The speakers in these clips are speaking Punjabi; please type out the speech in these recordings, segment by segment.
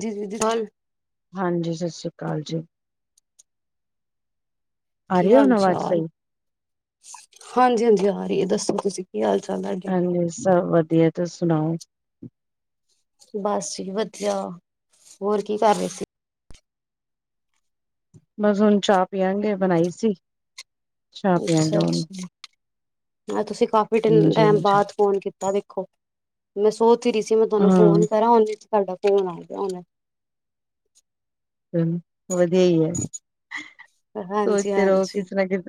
ਜੀ ਦੀਦੀ ਹਾਲ ਹਾਂਜੀ ਸਤਿ ਸ੍ਰੀ ਅਕਾਲ ਜੀ ਕੀ ਆਰੀ ਹਾਲ ਹੁਣ ਆਵਾਜ਼ ਚਾਲ ਸਹੀ ਹਾਂਜੀ ਹਾਂਜੀ ਆ ਰਹੀ ਹੈ ਦੱਸੋ ਤੁਸੀਂ ਕੀ ਹਾਲ ਚਾਲ ਤੁਹਾਡੇ ਹਾਂਜੀ ਸਭ ਵਧੀਆ ਤੁਸੀ ਸੁਣਾਓ ਬਸ ਜੀ ਵਧੀਆ ਹੋਰ ਕੀ ਕਰ ਰਹੇ ਸੀ ਬਸ ਹੁਣ ਚਾਹ ਪੀਆਂਗੇ ਬਣਾਈ ਸੀ ਚਾਹ ਅੱਛਾ ਪਿਆਂਗੇ ਹੁਣ ਅੱਛਾ ਮੈਂ ਤੁਸੀਂ ਕਾਫੀ ਹਾਂਜੀ ਹਾਂਜੀ ਟਾਈਮ ਬਾਅਦ ਫੋਨ ਕੀਤਾ ਦੇਖੋ ਮੈਂ ਸੋਚ ਰੀ ਸੀ ਮੈਂ ਤੁਹਾਨੂੰ ਹਾਂ ਫੋਨ ਕਰਾਂ ਨੇ ਤੁਡਾ ਫੋਨ ਆ ਗਿਆ ਹੁਣੇ ਹੂੰ ਵਧੀਆ ਹੀ ਹੈ ਹਾਂਜੀ ਸੋਚਦੇ ਰਹੋ ਹਾਂਜੀ ਕਿਸੇ ਨਾ ਕਿਸ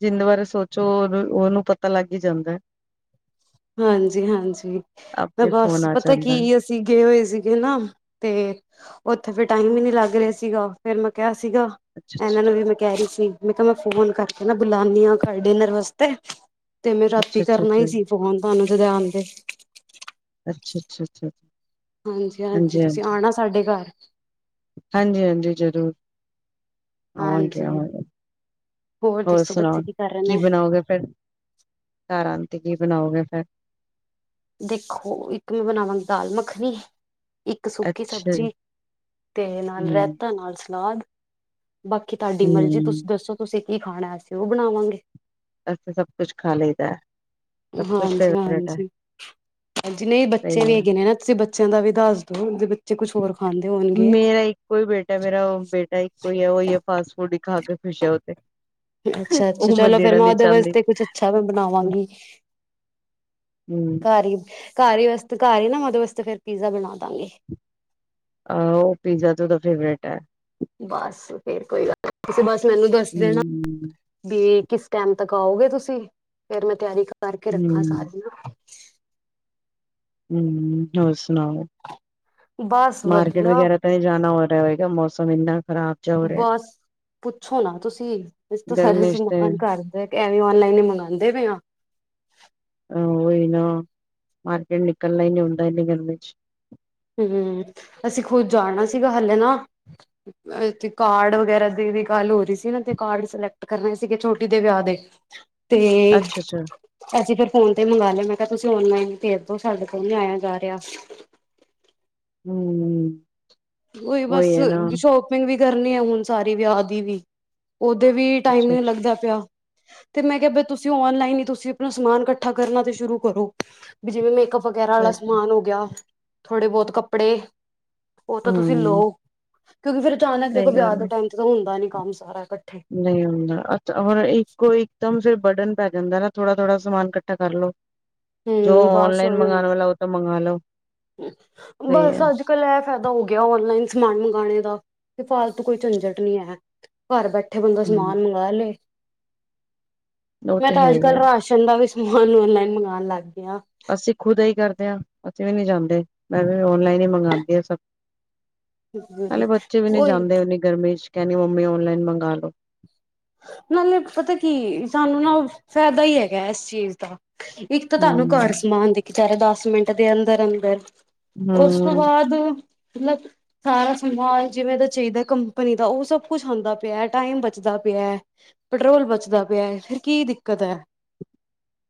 ਜਿੰਦੇ ਬਾਰੇ ਸੋਚੋ ਉਹਨੂੰ ਉਹਨੂੰ ਪਤਾ ਲੱਗ ਹੀ ਜਾਂਦਾ ਹੈ। ਹਾਂਜੀ- ਹਾਂਜੀ ਆਪੇ ਫੋਨ ਬਸ ਆ ਪਤਾ ਜਾਂਦਾ ਹੈ। ਕੀ ਅਸੀਂ ਗਏ ਹੋਏ ਸੀਗੇ ਨਾ ਤੇ ਉੱਥੇ ਫਿਰ ਟਾਈਮ ਹੀ ਨੀ ਲੱਗ ਰਿਹਾ ਸੀਗਾ ਫੇਰ ਮੈਂ ਕਿਹਾ ਸੀਗਾ ਅੱਛਾ ਇਹਨਾਂ ਅੱਛਾ ਨੂੰ ਵੀ ਮੈਂ ਕਹਿ ਰਹੀ ਸੀ। ਮੈਂ ਕਿਹਾ ਮੈਂ ਫੋਨ ਕਰਕੇ ਨਾ ਬੁਲਾਨੀ ਹਾਂ ਡਿਨਰ ਵਾਸਤੇ ਤੇ ਮੈਂ ਅੱਛਾ ਰਾਤੀ ਅੱਛਾ ਕਰਨਾ ਹੀ ਸੀ। ਹੋਣ ਤੁਹਾਨੂੰ ਜਾਣਦੇ। ਅੱਛਾ- ਅੱਛਾ -ਅੱਛਾ ਹਾਂਜੀ -ਹਾਂਜੀ ਤੁਸੀਂ ਆਉਣਾ ਸਾਡੇ ਘਰ ਹਾਂਜੀ ਹਾਂਜੀ ਜ਼ਰੂਰ ਆਵਾਂਗੇ ਹਾਂਜੀ -ਆਵਾਂਗੇ। ਹੋਰ ਦੱਸੋ ਸੁਣਾਓ ਬੱਚੇ ਕਰ ਰਹੇ ਕੀ ਨੇ ਬਣਾਓਗੇ ਫਿਰ ਘਰ ਆਉਣ ਤੇ ਕੀ ਬਣਾਓਗੇ ਫਿਰ ਦੇਖੋ ਇੱਕ ਮੈਂ ਬਣਾਵਾਂਗੀ ਦਾਲ ਮੱਖਣੀ ਇੱਕ ਸੁੱਕੀ ਅੱਛਾ ਸਬਜ਼ੀ ਜੀ ਤੇ ਨਾਲ ਹਮ ਰਾਇਤਾ ਨਾਲ ਸਲਾਦ ਬਾਕੀ ਤੁਹਾਡੀ ਮਰਜ਼ੀ ਹੂੰ, ਤੁਸੀਂ ਦੱਸੋ ਤੁਸੀਂ ਕੀ ਖਾਣਾ ਅਸੀਂ ਉਹ ਬਣਾਵਾਂਗੇ ਅਸੀ ਤੇ ਸਭ ਕੁਛ ਖਾ ਲਈਦਾ। ਸਭ ਕੁਛ ਹਾਂਜੀ- ਫੇਵਰੇਟ ਹੈ, ਹਾਂਜੀ- ਹਾਂਜੀ ਜੀ ਨਹੀਂ ਬੱਚੇ ਸਹੀ ਵੀ ਹੈ। ਹੈਗੇ ਨੇ ਨਾ ਤੁਸੀਂ ਬੱ ਬੱਚਿਆਂ ਦਾ ਵੀ ਦੱਸ ਦੋ ਜ ਬੱਚੇ ਕੁਛ ਹੋਰ ਖਾਂਦੇ ਹੋਣਗੇ। ਮੇਰਾ ਇੱਕੋ ਹੀ ਬੇਟਾ ਮੇਰਾ ਬੇਟਾ ਇੱਕੋ ਹੀ ਹੈ ਉਹੀ ਹੈ ਫਾਸਟ ਫੂਡ ਹੀ ਖਾ ਕੇ ਖੁਸ਼ ਹੈ ਉਹ ਤੇ ਅੱਛਾ- ਅੱਛਾ ਉਹ ਚਲੋ ਫਿਰ ਦੇਣਾ ਮੈਂ ਨੀ ਉਹਦੇ ਚਾਹੁੰਦੀ, ਵਾਸਤੇ ਕੁਛ ਅੱਛਾ ਮੈਂ ਬਣਾਵਾਂਗੀ। ਹੂੰ, ਘਰ ਹੀ ਘਰ ਹੀ ਵਾਸਤੇ ਘਰ ਹੀ ਨਾ ਮਦੇ ਵਾਸਤੇ ਫੇਰ ਪੀਜ਼ਾ ਬਣਾ ਦਾਂਗੀ ਆਹੋ ਪੀਜ਼ਾ ਤੇ ਉਹਦਾ ਫੇਵਰੇਟ ਹੈ। ਬਸ ਫੇਰ ਕੋਈ ਗੱਲ ਨੀ ਤੁਸੀ ਬਸ ਮੈਨੂੰ ਦੱਸ ਦੇਣਾ ਹੂੰ, ਵੀ ਕਿਸ ਟੈਮ ਤੱਕ ਆਓਗੇ ਤੁਸੀਂ? ਫੇਰ ਮੈਂ ਤਿਆਰੀ ਕਰਕੇ ਰੱਖਾਂ ਹੂੰ, ਸਾਰੀਆਂ। ਹੂੰ ਹੋਰ ਸੁਣਾਓ ਬਸ ਮਾਰਕਿਟ ਵਧੀਆ। ਵਗੈਰਾ ਤਾਂ ਨਈ ਜਾਣਾ ਹੋਰ ਹੋਏਗਾ ਮੌਸਮ ਏਨਾ ਖ਼ਰਾਬ 'ਚ ਹੋ ਰਿਆ। ਬਸ ਪੁੱਛੋ ਨਾ ਤੁਸੀਂ ਇਸ ਤੋਂ ਸਾਰਾ ਗਰਮੀ ਚ ਤੇ ਸਮਾਨ ਘਰ ਬੈ ਐਵੇਂ ਓਨਲਾਈਨ ਈ ਮੰਗਾਂਦੇ ਪਏ ਆਂ। ਓਹੀ ਨਾ ਮਾਰਕੀਟ ਨਿਕਲਣਾ ਈ ਨੀ ਹੁੰਂਦਾ ਇਨੇ ਗਰਮੀੇ 'ਚ ਹੂੰਅਂ ਅਸੀਂ ਖੁੱਦ ਜਾਣਾ ਸੀਗਾ ਹਲੇੇ ਨਾ ਏਥੇ ਕਾਰਡ ਵਗੈਰਾ ਦੇ ਵੀ ਗੱਲ ਓ ਰੀ ਸੀ ਨਾ ਤੇ ਕਾਰਡ ਸਿਲੈਕਟ ਕਰਨੇ ਸੀਗੇ ਛੋਟੀ ਦੇ ਵਿਆਹ ਦੇ। ਤੇ ਅੱਛਾ-ਅੱਛਾ, ਅਸੀੇ ਫੇਰ ਫੋਨ ਤੇ ਮੰਗਵਾ ਲਿਆ ਮੈਂ ਕਿਆ ਤੁਸੀਂ ਓਨਲਾਈਨ ਭੇਜ ਦੋ ਸਾਡੇ ਕੋਲ ਨੀ ਆਇਆ ਜਾ ਰਿਆ। ਹੂੰ ਨਈ ਬਸ ਉਹੀ ਹੈ ਨਾ, ਸ਼ਾਪਿੰਗ ਵੀ ਕਰਨੀ ਐ ਹੁਣ ਸਾਰੀ ਵਿਆਹ ਦੀ ਵੀ ਓਦੇ ਵੀ ਟਾਈਮ ਨਈ ਅੱਛਾ-ਅੱਛਾ, ਲੱਗਦਾ ਪਿਆ। ਤੇ ਮੈਂ ਕਿਆ ਬਈ ਤੁਸੀਂ ਓਨਲਾਈਨ ਈ ਤੁਸੀਂ ਆਪਣਾ ਸਮਾਨ ਕੱਠਾ ਕਰਨਾ ਤੇ ਸ਼ੁਰੂ ਕਰੋ ਵੀ ਜਿਵੇਂ ਮੇਕਪ ਵਗੈਰਾ ਅਲਾ ਸਮਾਨ ਓ ਗਿਆ ਥੋੜੇ ਬੋਤ ਕੱਪੜੇ ਓ ਤਾਂ ਤੁਸੀਂ ਹੂੰ। ਲਓ ਕਿਉਂਕਿ ਫੇਰ ਅਚਾਨਕ ਦੇਖੋ ਸਹੀ ਵਿਆ ਗੱਲ ਦੇ ਆ ਟਾਈਮ ਤੇ ਤਾਂ ਹੁੰਦਾ ਨੀ ਕੰਮ ਸਾਰਾ ਇਕੱਠੇ ਨਹੀਂ ਹੁੰਦਾ ਅੱਛਾ ਔਰ ਇੱਕ ਕੋ ਇੱਕ ਦਮ ਫਿਰ ਬਡਨ ਪੈ ਜਾਂਦਾ ਨਾ ਥੋੜ੍ਹਾ- ਥੋੜ੍ਹਾ ਸਮਾਨ ਕੱਠਾ ਕਰ ਲੋ। ਜੋ ਹਮ ਬਸ ਔਨਲਾਈਨ ਉਹੀ ਮੰਗਾਣ ਹੁੰਦਾ ਅਲਾ ਓ ਤੇ ਮੰਗਾ ਲੋ। ਸਹੀ ਬਸ ਹੈ ਅੱਜ ਕੱਲ ਐ ਫੈਦਾ ਓ ਗਿਆ ਔਨਲਾਈਨ ਸਮਾਨ ਮੰਗਣੇ ਦਾ ਤੇ ਫਾਲਤੂ ਕੋਈ ਝੰਜਟ ਨਈ ਐ ਘਰ ਬੈਠੇ ਬੈਠੇ ਬੰਦਾ ਸਮਾਨ ਹਮ ਮੰਗਾ ਲੇ। ਉਹ ਮੈਂ ਤੇ ਹੈ ਅੱਜ ਹੀ ਕੱਲ੍ਹ ਆ ਰਾਸ਼ਨ ਦਾ ਵੀ ਸਮਾਨ ਔਨਲਾਈਨ ਮੰਗਾਣ ਲੱਗ ਗਿਆ ਅਸੀਂ ਖੁਦ ਏਹੀ ਕਰਦੇ ਆਂ ਅਸੀਂ ਵੀ ਨੀ ਜਾਂਦੇ ਮੈਂ ਵੀ ਔਨਲਾਈਨ ਹੀ ਮੰਗਾਂਦੀ ਆਂ ਸਭ ਨਾਲੇ ਬੱਚੇ ਵੀ ਨਈ ਉਹੀ ਜਾਂਦੇ ਏਨੀ ਗਰਮੀ 'ਚ ਕਹਿੰਣੀ ਮੰਮੀ ਔਨਲਾਈਨ ਮੰਗਾ ਲਓ। ਨਾਲੇ ਪਤਾ ਕੀ ਏ ਸਾਨੂੰ ਨਾ ਫਾਇਦਾ ਈ ਐਗਾ ਏਸ ਚੀਜ਼ ਦਾ। ਇੱਕ ਤਾਂ ਤੁਆਨੂੰ ਹਮ ਘਰ ਸਮਾਨ ਦੇ ਕੇ ਜਾਂਦਾ ਦਸ ਮਿੰਟ ਦੇ ਅੰਦਰ -ਅੰਦਰ। ਓਸ ਤੋਂ ਹਮ ਬਾਅਦ- ਮਲਬ ਸਾਰਾ ਸਮਾਨ ਜਿਵੇਂ ਦਾ ਚਾਈਦਾ ਕੰਪਨੀ ਦਾ, ਓ ਸਭ ਕੁੱਛ ਆਉਂਦਾ ਪਿਆ ।ਟਾਈਮ ਬਚਦਾ ਪਿਆ । ਪਿਆ। ਪੈਟਰੋਲ ਬਚਦਾ ਪਿਆ ਐ। ਫਿਰ ਕੀ ਦਿੱਕਤ ਐ।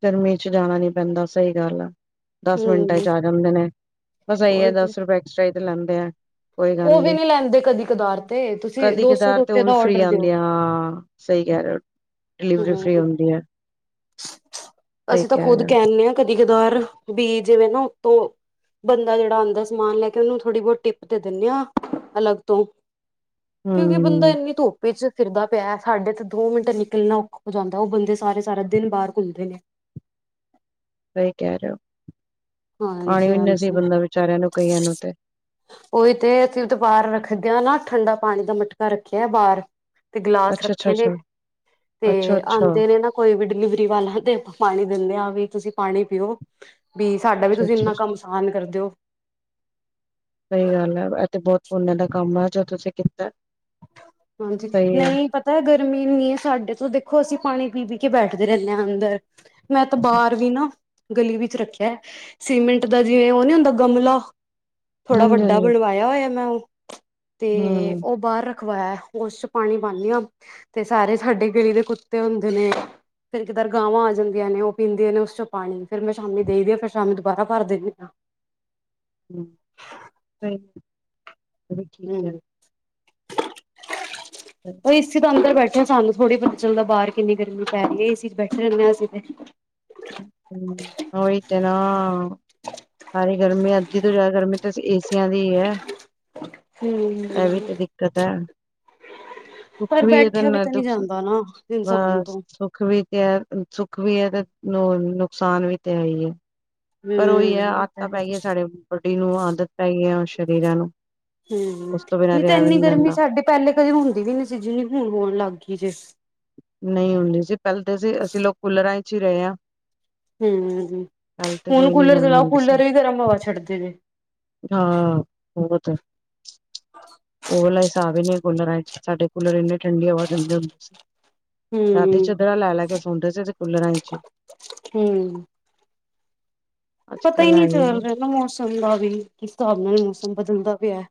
ਗਰਮੀ ਚ ਜਾਣਾ ਨੀ ਪੈਂਦਾ। ਸਈ ਗੱਲ ਆ। ਦਸ ਮਿੰਟਾਂ' ਹਮ ਚ ਆ ਜਾਂਦੇ ਨੇ। ਬਸ ਏਈ ਐ ਉਹੀ ਤੇ ਦਸ ਰੁਪਏ ਐਕਸਟਰਾ ਈ ਤੇ ਲੈਂਦੇ ਆ। ਕੋਈ ਗੱਲ ਉਹ ਵੀ ਨੀ ਲੈਂਦੇ ਕਦਾਰ ਤੇ ਤੁਸੀਂ ।ਕਦੀ- ਦੋ ਸੌ ਦੇ ਕਦਾਰ ਤੇ ਉੱਤੇ ਓ ਵੀ ਦਾ ਫ੍ਰੀ ਔਡਰ ਦਿਓ। ਆਂਦੀਆ। ਆ-ਸਈ- ਯਾਰ, ਡਿਲੀਵਰੀ ਫ੍ਰੀ ਹੂੰ ਹੁੰਦੀ ਐ। ਅਸੀਂ ਤਾਂ ਖੁਦ ਕੈਨੇ ਆਂ, ਕਦੀ- ਕਦਾਰ, ਵੀ ਜਿਵੇਂ ਨਾ ਉੱਤੋਂ- ਬੰਦਾ ਜੇੜਾ ਆਂਉਦਾ ਸਮਾਨ ਲੈ ਕੇ ਉਨੂੰ ਥੋੜ੍ਹੀ- ਬੋਤ ਦਿੱਕਤ ਹੋ ਦਿੰਦੇ ਆ ਅਲੱਗ ਤੋਂ। ਕਿਉਂਕਿ ਬੰਦਾ ਹੂੰ ਏਨੀ ਧੁੱਪ 'ਚ ਫਿਰਦਾ ਪਿਆ। ਸਾਡੇ ਤੇ ਦੋ ਮਿੰਟ ਨਿਕਲ- ਨਿਕਲਣਾ ਔਖਾ ਓ ਜਾਂਦਾ। ਓ ਬੰਦੇ ਸਾਰੇ ਸਾਰਾ ਦਿਨ ਬਾਰ ਘੁੰਮਦੇ ਨੇ। ਸਈ ਕਿਹਾ ਰਹੇ ਓ ।ਪਾਣੀ ਵੀ ਨਸੀਬ ਹਾਂਜੀ-ਹਾਂਜੀ। ਨੀ ਹੁੰਦਾ ਵਿਚਾਰਿਆਂ ਨੂੰ ਕਈਆਂ ਨੂੰ ਤੇ। ਓ ਤੇ ਅਸੀਂ ਵੀ ਤੇ ਬਾਹਰ ਰੱਖਦੇ ਆ ਨਾ। ਠੰਡਾ ਪਾਣੀ ਦਾ ਮਟਕਾ ਰੱਖਿਆ ਬਾਹਰ। ਤੇ ਗਲਾਸ ਅੱਛਾ ਅੱਛਾ ਰੱਖੇ ਨੇ। ਅੱਛਾ ਤੇ ਅੱਛਾ ਅੱਛਾ ਆਂਦੇ ਨੇ ਨਾ ਕੋਈ ਵੀ- ਡਿਲੀਵਰੀ ਵਾਲਾ ਤੇ ਆਪਾਂ ਪਾਣੀ ਦਿੰਦੇ ਆ ਵੀ ਤੁਸੀਂ ਪਾਣੀ ਪੀਓ ਵੀ। ਸਾਡਾ ਵੀ ਅੱਛਾ ਤੁਸੀਂ ਅੱਛਾ ਏਨਾ ਕੰਮ ਆਸਾਨ ਕਰਦੇ ਓ। ਉਨਾਂ ਦਾ ਕੰਮ ਆ ਜੋ ਤੁਸੀਂ ਕੀਤਾ। ਹਾਂਜੀ। ਸਹੀ ਹੈ ਨਹੀਂ, ਪਤਾ ਗਰਮੀ ਏਨੀ ਐ ਸਾਡੇ ਤੋਂ ਦੇਖੋ ਅਸੀਂ ਪਾਣੀ- ਪੀ -ਪੀ ਕੇ ਬੈਠਦੇ ਰੇਨੇ ਆਂ ਅੰਦਰ ।ਮੈਂ ਤਾਂ ਬਾਰ ਵੀ ਨਾ- ਗਲੀ ਵਿੱਚ ਰੱਖਿਆ। ਸੀਮਿੰਟ ਦਾ ਜਿਵੇਂ ਓ ਨੀ ਹੁੰਦਾ ਗਮਲਾ। ਥੋੜਾ ਹਾਂਜੀ ਵੱਡਾ ਹਾਂਜੀ ਬਣਵਾਇਆ ਹੋਇਆ ਮੈਂ ਓ। ਤੇ ਹੂੰ ਉਹ ਬਾਰ ਰਖਵਾਇਆ। ਉਸ ਚ ਪਾਣੀ ਪਾਉਂਦੀ ਹਾਂ। ਤੇ ਸਾਰੇ ਸਾਡੇ ਗਿਲੀ ਦੇ ਕੁੱਤੇ ਹੁੰਦੇ ਨੇ। ਫਿਰ ਕਿਧਾਰ ਗਾਵਾਂ ਆ ਜਾਂਦੀਆਂ ਨੇ। ਉਹ ਪੀਂਦੀਆਂ ਨੇ ਉਸ ਚੋਂ ਪਾਣੀ ਫਿਰ ਮੈਂ ਸ਼ਾਮੀ ਦੇਈਦੀ। ਫਿਰ ਸ਼ਾਮੀ ਦੁਬਾਰਾ ਭਰ ਦਿੰਦੀ ਹਾਂ। ਹੂੰ ਚ ਠੀਕ ਹੈ। ਹਮ ਉਹ ਇਸ ਤੋਂ ਅੰਦਰ ਬੈਠੇ ਸਾਨੂੰ ਥੋੜ੍ਹੀ ਪਤਾ ਚੱਲਦਾ ਬਾਹਰ ਕਿੰਨੀ ਗਰਮੀ ਪੈ ਰਹੀ ਹੈ। ਇਸ ਚ ਬੈਠੇ ਰਹਦੇ ਹਾਂ ਅਸੀਂ ਤੇ। ਵਟ ਨਾ [unintelligible] ਸਾਰੇ ਗਰਮੀ ਅੱਜ ਤੋਂ ਜ਼ਿਆਦਾ ਗਰਮੀ ਤੇ ਏ ਦੀ ਹੈ। ਇਹ ਵੀ ਹਮ ਤੇ ਦਿੱਕਤ ਹੈ। ਸੁੱਖ ਪਰ ਵੀ ਹੈ ਤੇ ਬੈਠਿਆ ਨਾਲ ਤਾਂ ਨਹੀਂ ਦੁੱਖ ਜਾਂਦਾ ਨਾ ਇਨਸਾਨ -ਸੁੱਖ। ਤੋਂ ਸੁੱਖ ਵੀ ਤੇ ਸੁੱਖ ਵੀ ਹੈ। ਨੂੰ ਨੁਕਸਾਨ ਵੀ ਤੇ ਹੈ ਹੀ ਹੈ। ਹਮ ਪਰ ਉਹੀ ਹੈ ਇਹ ਤਾਂ ਆਦਤਾਂ ਪੈ ਹੈ ਗਿਆਂ। ਸਾਡੇ ਬੋਡੀ ਨੂੰ ਆਦਤ ਪੈ ਗਈ ਹੈ ਸਰੀਰਾਂ ਨੂੰ। ਹਮ। ਉਸ ਤੋਂ ਬਿਨਾਂ ਨਹੀਂ ਤਾਂ ਰਿਹਾ ਵੀ ਇੰਨੀ ਗਰਮੀ ਜਾਂਦਾ ਸਾਡੀ ਪਹਿਲੇ ਕਦੀ ਹੁੰਦੀ ਵੀ ਨਹੀਂ ਸੀ। ਜਿੰਨੀ ਹੁਣ ਹੋਣ ਲੱਗ ਗਈ ਜੇ ਨਹੀਂ ਹੁੰਦੀ ਸੀ। ਪਹਿਲਾਂ ਤਾਂ ਸੀ ਅਸੀਂ ਲੋਕ ਕੂਲਰਾਂ ਵਿਚ ਹੀ ਰਹੇ ਹਾਂ। ਹਮ ਪਹਿਲੇ ਤੇ ।ਹੁਣ ਕੋਈ ਨੀ ਕੂਲਰ ਗਰਮੀ ਚਲਾਓ, ਹੁੰਦੀ ਸੀ ਕੂਲਰ ਵੀ ਗਰਮ ਹਵਾ ਛੱਡਦੇ ਨੇੇ ਹਾਂ। ਉਹ ਤਾਂ ਹੈ। ਉਹ ਓਸ ਆ ਨੇ ਕੂਲਰਾਂ ਚ, ਸਾਡੇ ਕਲਰ ਇੰਨੀ ਠੰਡੀ ਹਵਾ ਦਿੰਦੇ ਹੁੰਦੇ ਸੀ। ਰਾਤੀ ਹੂੰ ਚੱਦਰਾ ਲੈ -ਲੈ ਕੇ ਸੌਦੇ ਸੀ। ਕੂਲਰਾ ਚ, ਹੂੰ ਪਤਾ ਹੀ ਨਹੀਂ ਚੱਲ ਰਿਹਾ ਨਾ ਮੌਸਮ ਦਾ ਵੀ। ਕਿਸ ਹਿਸਾਬ ਨਾਲ ਮੌਸਮ ਬਦਲਦਾ ਪਿਆ।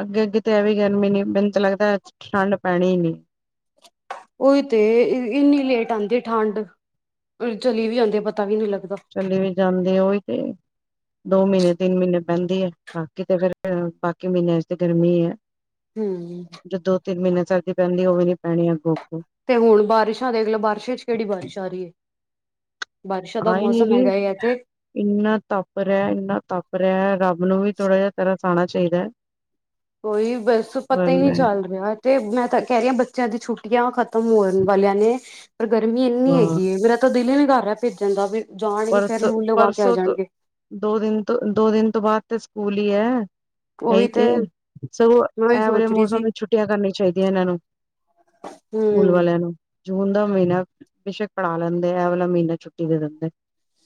ਅੱਗੇ- ਅੱਗੇ ਤੇ ਐ ਵੀਂ ਗਰਮੀ ਨਹੀਂ ਮੈਨੂੰ ਲੱਗਦਾ ਠੰਡ ਪੈਣੀ ਨਹੀਂ। ਉਹੀ ਤੇ ਇੰਨੀ ਲੇਟ ਆਉਂਦੀ ਠੰਡ। ਚਲੀ ਵੀ ਜਾਂਦੇ ਪਤਾ ਵੀ ਨਹੀਂ ਲੱਗਦਾ। ਚਲੀ ਵੀ ਜਾਂਦੇ ਆ ਉਹੀ ਤੇ ਦੋ ਮਹੀਨੇ, ਤਿੰਨ ਮਹੀਨੇ ਪੈਂਦੇ ਹੈ ।ਬਾਕੀ ਤਾਂ ਫੇਰ ਬਾਕੀ ਮਹੀਨੇ ਤੇ ਗਰਮੀ ਹੈ। ਹੂੰ ਜੋ ਦੋ, ਤਿੰਨ ਮਹੀਨੇ ਸਰਦੀ ਪੈਂਦੀ ਉਹ ਵੀ ਨੀ ਪੈਣੀੱ ਅੱਗੋ। ਤੇ ਹੁਣ ਬਾਰਿਸ਼ਾਂ ਦੇ ਅਗਲੇ ਬਾਰਿਸ਼ਾਂ ਚ ਕਿਹੜੀ ਬਾਰਿਸ਼ ਆ ਰਹੀ ਹੈ। ਬਾਰਸ਼ਾ ਦਾ ਆ ਹੀ ਨੀ ਮੌਸਮ ਰਹੀ ਹੈਗਾ ਥ ਇੰਨਾ ਤਪ ਰਿਹਾ ਇੰਨਾ ਤਪ ਰਿਹਾ ਰੱਬ ਨੂੰ ਵੀ ਥੋੜਾ ਜਿਹਾ ਤਰਾ ਸ ਆਉਣਾ ਚਾਹੀਦਾ ਹੈ ਕੋਈ ਬਸ ਪਤਾ ਹੀ ਨਹੀਂੀ ਚੱਲ ਰਿਹਾ ਤੇ ਮੈਂ ਤਾਂ ਕਹਿ ਰਹੀ ਹਾਂ ਬੱਚਿਆਂ ਦੀ ਛੁੱਟੀਆਂ ਖਤਮ ਤਾਂ ਮੋਰਨ ਵਾਲਿਆਂ ਨੇ ਪਰ ਗਰਮੀ ਇੰਨੀ ਹਾਂ ਹੈਗੀ ਏ ਵੀੇਰਾ ਤਾਂ ਦਿਲ ਹੀ ਨੀ ਕਰ ਰਿਹਾ ਭੇਜਣ ਦਾ ਵੀ ਜਾਣਗੇ ਫੇਰ ਪਰਸੋਂ ਲੂ ਲਵਾ ਕੇ ਆ ਪਰਸੋਂ ਤੋਂ ਜਾਣਗੇ। ਦੋ ਦਿਨ ਤੋਂ ਦੋ ਦਿਨ ਤੋਂ ਬਾਅਦ ਤੇ ਸਕੂਲ ਹੀ ਹੈ ਇਹੀ ਤੇ ਸਗੋਂ ਮੈਂ ਉਹੀ ਐਵਰੇਜ ਸੋਚ ਰਹੀ ਮੌਸਮ ਸੀ ਵਿੱਚ ਛੁੱਟੀਆਂ ਕਰਨੀੀਆਂ ਚਾਹੀਦੀਆਂ ਇਹਨਾਂ ਨੂੰ ਸਕੂਲ ਹੂੰ ਵਾਲਿਆਂ ਨੂੰ ਜੂਨ ਦਾ ਮਹੀਨਾ ਬੇਸ਼ੱਕ ਪੜਾ ਲੈਂਦੇ ਇਹ ਵਾਲਾ ਮਹੀਨਾ ਛੁੱਟੀ ਦੇ ਦਿੰਦੇ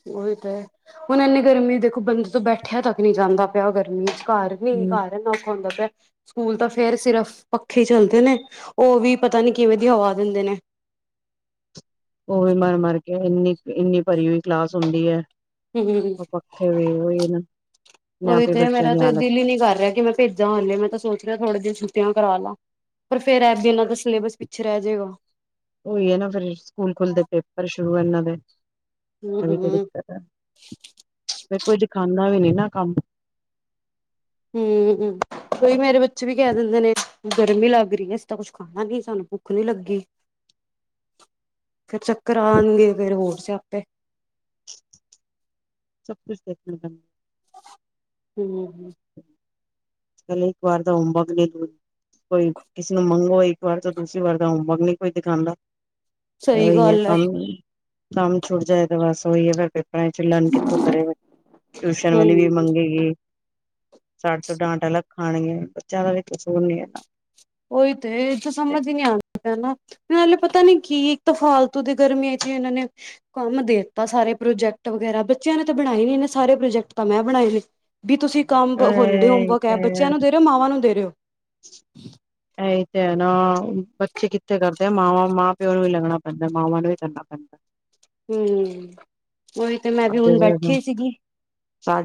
ਉਹੀ ਤਾਂ ਹੈ ਹੁਣ ਇੰਨੀ ਗਰਮੀ ਦੇਖੋ ਬੰਦੇ ਤੋਂ ਬੈਠਿਆ ਤੱਕ ਨਹੀਂੀ ਜਾਂਦਾ ਪਿਆ ਗਰਮੀ ਘਰ ਨੀ ਹਮ ਘਰਨਾ ਔਖ ਹੁੰਦਾ ਪਿਆ ਸਕੂਲ ਤਾਂ ਫੇਿਰ ਸਿਰਫ ਪੱਖੇ ਚੱਲਦੇ ਨੇ ਉਹ ਵੀ ਪਤਾ ਨੀ ਕਿਵੇਂ ਦੀ ਹਵਾ ਦਿੰਦੇ ਨੇ [unintelligible] ਉਹ ਵੀ ਮਰ ਮਰ ਕੇ ਇੰਨੀ ਇੰਨੀ ਭਰੀ ਹੋਈ ਕਲਾਸ ਹੁੰਦੀ ਹੈ ਹਮ ਉਹ ਪੱਖੇ ਵੀ ਉਹੀ ਨਾ ਨਾ ਉਹੀ ਆਪੇ ਤੇ ਬੱਚਿਆਂ ਮੇਰਾ ਦੀ ਤੇ ਹਾਲਤ ਦਿਲ ਹੀ ਨਹੀਂੀ ਕਰ ਰਿਹਾ ਕਿ ਮੈਂ ਭੇਜਾਂ ੇ ਮੈਂ ਤਾਂ ਸੋਚ ਥੋੜੇ ਜ ਛੱਟਆਂ ਕਰਾ ਲਾ ਪਰ ਫੇਿਰ ਇਹ ਵੀ ਇਹਨਾਂ ਦਾ ਸਿਲੇਬਸ ਪਿੱਛੇ ਰਹਿ ਜਾਏਗਾ ਉਈ ਹੈ ਨਾ ਫਿਰ ਸਕੂਲ ਖੁੱਲਦੇ ਪੇਪਰ ਸ਼ੁਰੂ ਹੈ ਇਹਨਾਂ ਦੇ ਇਹ ਵੀ ਤਰੀ ਹੂੰ ਮੈਂ ਕੁੱਝ ਖਾਂਦਾ ਵੀ ਨੀ ਨਾ ਕੰਮ ਹਮ ਕੋਈ ਮੇਰੇ ਬੱਚੇ ਵੀ ਕਹਿ ਦਿੰਦੇ ਨੇ ਗਰਮੀ ਲੱਗ ਰਹੀ ਹੈ ਇਸ ਤਾਂ ਕੁੱਛ ਖਾਣਾ ਨੀ ਸਾਨੂੰ ਭੁੱਖ ਨੀ ਲੱਗੀ ਫਿਰ ਚੱਕਰ ਆਉਣਗੇ ਫਿਰ ਹੋਰ ਸ ਆਪੇ [unintelligible] ਦੇਖਣਾ ਪੈਂਦਾ ਹਮ ਹਮ। ਕੱਲ ਇੱਕ ਵਾਰ ਦਾ ਹਮਬਕ ਕੋਈ ਕਿਸੇ ਨੂੰ ਮੰਗੋ ਇੱਕ ਵਾਰ ਤਾਂ ਦੂਸਰੀ ਵਾਰ ਹੋਮਵਰਕ ਨਹੀਂ ਕੋਈ ਦਿਖਾਉਦਾ। ਸਹੀ ਉਹੀ ਹੈ ਗੱਲ ਕੰਮ ਕੰਮ ਛੁੱਟ ਜਾਏ ਤੇ ਬਸ ਉਹੀ ਹੈ ਫਿਰਿਰ ਆਪ ਚ ਲਰਨ ਕਿੱਥੋਂ ਕਰੇ ਟਿਊਸ਼ਨ ਵਾਲੀ ਵੀ ਹੂੰ। ਮੰਗੇਗੀ ਸਰ ਤੋਂ ਡਾਂਟ ਅਲਗ ਖਾਣੀਆਂ ਬੱਚਿਆਂ ਦਾ ਵੀ ਕਸੂਰ ਨੀ ਹੈਨਾ। ਉਹੀ ਤੇ ਇਹ ਤਾਂ ਸਮਝ ਹੀ ਨਹੀਂ ਆਉਦੀ ਪਿਆ ਨਾ। ਇਹ ਨਾਲੇ ਪਤਾ ਨੀ ਕੀ ਇੱਕ ਤਾਂ ਫਾਲਤੂ ਦੀ ਗਰਮੀਆਂ ਚ ਇਹਨਾਂ ਨੇ ਕੰਮ ਦੇਤਾ ਸਾਰੇ ਪ੍ਰੋਜੈਕਟ ਵਗੈਰਾ ਬੱਚਿਆਂ ਨੇ ਤਾਂ ਬਣਾਏ ਨੀ ਇਹਨੇ ਸਾਰੇ ਪ੍ਰੋਜੈਕਟ ਤਾਂ ਮੈਂ ਬਣਾਏ ਨੇ ਵੀ ਤੁਸੀਂ ਕੰਮ ਹੋਲੀਡੇ ਇਹੀ ਹੋਮਵਰਕ ਤੇ ਹੈ ਬੱਚਿਆਂ ਨੂੰ ਦੇ ਰਹੇ ਹੋ ਮਾਵਾਂ ਨੂੰ ਦੇ ਰਹੇ ਓ। ਇਹੀ ਤੇ ਹੈ ਨਾ ਬੱਚੇ ਕਿੱਥੇ ਕਰਦੇ ਆ। ਮਾਵਾਂ ਮਾਂ ਪਿਓ ਨੂੰ ਵੀ ਲੱਗਣਾ ਪੈਂਦਾ ਮਾਵਾਂ ਨੂੰ ਵੀ ਕਰਨਾ [inaudible] ਹਮ ਉਹੀ ਤੇ ਮੈਂ ਵੀ ਹੁਣ ਪੈਂਦਾ ਬੈਠੀ ਸੀਗੀ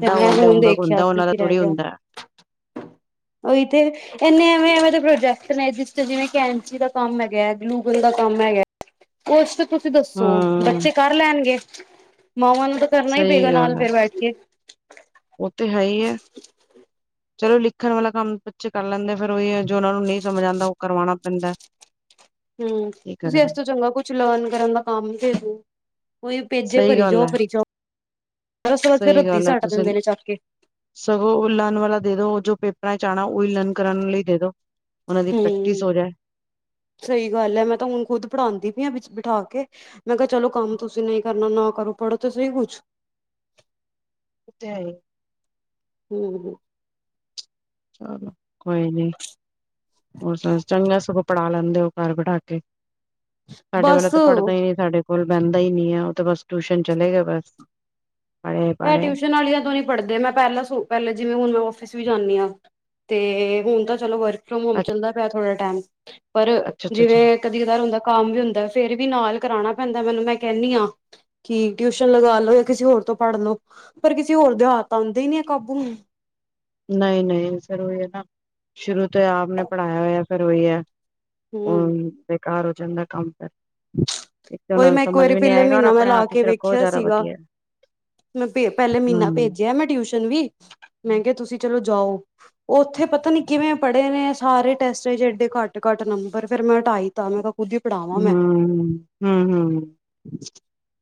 ਤੇ ਮੈਂ ਓਲਡ ਹੁਣ ਹੋਮਵਰਕ ਦੇਖਿਆ ਹੁੰਦਾ ਕੀ ਉਹਨਾਂ ਦਾ ਕੀ ਥੋੜ੍ਹੀ ਗਿਆ। ਹੁੰਦਾ ਉਹੀ ਤੇ ਐਨੇ ਐਵੇਂ ਐਵੇਂ ਪੋਜੇਕਟ ਨੇ ਜਿਸ ਜਿਵੇਂ ਕਿ ਕੈਚੀ ਦਾ ਕੰਮ ਹੈਗਾ, ਗੂਗਲ ਦਾ ਕੰਮ ਹੈਗਾ ਕੁਛ ਤੁਸੀਂ ਦੱਸੋ ਹੂੰ ਬੱਚੇ ਕਰ ਲੈਣਗੇ ਮਾਵਾਂ ਨੂੰ ਤਾਂ ਕਰਨਾ ਹੀ ਸਹੀ ਪਏਗਾ ਨਾਲ ਗੱਲ ਹੈ ਫਿਰ ਬੈਠ ਕੇ‌। ਉਹ ਤੇ ਹੈ ਹੀ ਹੈ। ਚਲੋ ਲਿਖਣ ਵਾਲਾ ਕੰਮ ਬੱਚੇ ਕਰ ਲੈਂਦੇ ਫਿਰ ਉਹੀ ਜੋ ਉਹਨਾਂ ਨੂੰ ਨਹੀਂ ਸਮਝ ਆਉਂਦਾ ਉਹ ਕਰਵਾਉਣਾ ਪੈਂਦਾ। ਹਮ ਕੀ ਤੁਸੀਂ ਇਸ ਕਰਨ ਤੋਂ ਚੰਗਾ ਕੁਛ ਲਰਨ ਕਰਨ ਦਾ ਕੰਮ ਹੀ ਦੇਦੇਓ। ਕੋਈ ਭੇਜੇ ਸਹੀ ਭਰੀ ਗੱਲ ਜਾਓ ਹੈ ਭਰੀ ਜਾਓ। ਉਸ ਤੋਂ ਬਾਅਦ ਫਿਰ ਸਹੀ ਰੱਦੀ ਗੱਲ ਹੈ ਸੱਟ ਤੁਸੀਂ ਦਿੰਦੇ ਨੇ ਚੱਕ ਕੇ ਸਗੋਂ ਲਰਨ ਵਾਲਾ ਦੇ ਦੋ ਜੋ ਜਾਣਾ ਉਇੳ ਲਰਨ ਕਰਨ ਲਈ ਦੇ ਦੋ ਉਹਨਾਂ ਦੀ ਪ੍ਰੈਕਟਿਸ ਹੂੰ ਹੋ ਜਾਏ। ਸਹੀ ਗੱਲ ਹੈ ਮੈਂ ਤਾਂ ਹੁਣ ਖੁਦ ਪੜ੍ਹਾਉਂਦੀ ਪੲਈ ਹਾਂ ਵਿੱਚ ਬਿਠਾ ਕੇ। ਮੈਂ ਕਿਹਾ ਚਲੋ ਕੰਮ ਤੁਸੀਂ ਨਹੀਂ ਕਰਨਾ ਨਾ ਕਰੋ ਪੜ੍ਹੋ ਤੇ ਸਹੀ ਕੁਛ ੳ ਤੇ ਹੈ ਹੀ। ਹਮ ਹਮ। ਚਲੋ ਕੋਈ ਨੀ ਹੋਰ ਚੰਗਾ ਸਗੋ ਪੜਾ ਲੈਂਦੇ ਹੋ ਘਰ ਬਿਠਾ ਕੇ। ਸਾਡੇ ਬਸ ਵਾਲਾ ਤਾਂ ਪੜ੍ਹਦਾ ਹੀ ਇਹ ਨਹੀਂ ਸਾਡੇ ਕੋਲ ਬਹਿੰਦਾ ਹੀ ਨਹੀਂ ਹੈ ਉਹ ਤਾਂ ਬਸ ਟਿਊਸ਼ਨ ਚਲੇਗਾ ਬਸ। ਪੜ੍ਹੇ ਇਹ ਪੜ੍ਹੇ ਟਿਊਸ਼ਨ ਵਾਲੀਆਂ ਤੋਂ ਨੀ ਪੜ੍ਹਦੇ ਮੈਂ ਪਹਿਲਾਂ ਜਿਵੇਂ ਹੁਣ ਮੈਂ ਆਫਿਸ ਵੀ ਜਾਂਦੀ ਹਾਂ। ਤੇ ਹੁਣ ਤਾਂ ਚਲੋ ਵਰਕ ਫਰੋਮ ਹੋਮ ਅੱਛਾ ਚੱਲਦਾ ਪਿਆ ਥੋੜਾ ਟਾਈਮ ਪਰ ਅੱਛਾ ਅੱਛਾ ਜਿਵੇਂ ਕਦੀ ਕਦਾਰ ਹੁੰਦਾ ਕੰਮ ਵੀ ਹੁੰਦਾ ਫੇਰ ਵੀ ਨਾਲ ਕਰਾਉਣਾ ਪੈਂਦਾ ਮੈਨੂੰ ਮੈਂ ਕਹਿੰਦੀ ਹਾਂ ਕਿ ਟਿਊਸ਼ਨ ਲਗਾ ਲੋ ਜਾਂ ਕਿਸੇ ਹੋਰ ਤੋਂ ਪੜ੍ਹ ਲਓ ਪਰ ਕਿਸੇ ਹੋਰ ਦੇ ਹੱਥ ਤਾਂ ਆਉਂਦੇ ਹੀ ਨੀ ਆ ਕਾਬੂ ਨੂੰ ਨਹੀਂ ਨਹੀਂ ਫਿਰ ਉਹੀ ਹੈ ਨਾ ਸ਼ੁਰੂ ਤੋਂ ਆਪ ਨੇ ਪੜ੍ਹਾਇਆ ਹੋਇਆ ਫਿਰ ਉਹੀ ਹੈ। ਹੂੰ ਹਮ ਬੇਕਾਰ ਹੋ ਜਾਂਦਾ ਕੰਮ ਇੱਕ ਤੇ ਉਹਨਾ ਉਹੀ ਨੂੰ ਮੈਂ ਇੱਕ ਸਮਝ ਵਾਰੀ ਵੀ ਨੀ ਪਹਿਲੇ ਆਏਗਾ ਔਰ ਮਹੀਨਾ ਮੈਂ ਆਪਣੇ ਲਾ ਹੱਥ ਕੇ ਵਿਚ ਰੱਖੋ ਵੇਖਿਆ ਜ਼ਿਆਦਾ ਸੀਗਾ ਵਧੀਆ। ਮੈਂ ਪਹਿਲੇ ਹੂੰ ਮਹੀਨਾ ਭੇਜਿਆ ਮੈਂ ਟਿਊਸ਼ਨ ਵੀ ਮੈਂ ਕਿਹਾ ਤੁਸੀਂ ਚਲੋ ਜਾਓ ਉੱਥੇ ਪਤਾ ਨੀ ਕਿਵੇਂ ਪੜ੍ਹੇ ਨੇ ਸਾਰੇ ਟੈਸਟ ਜਿਡੇ ਘੱਟ ਘੱਟ ਨੰਬਰ ਫਿਰ ਮੈਂ ਹਟਾਈ ਤ ਮੈਂ। ਖੁਦ ਹੀ ਪੜ੍ਹਾਵਾਂ ਮੈਂ [unintelligible]